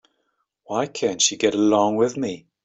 Why can't she get along with me?